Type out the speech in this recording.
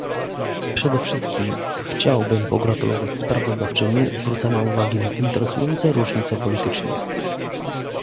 Przede wszystkim chciałbym pogratulować sprawozdawczyni zwrócenia uwagi na interesujące różnice polityczne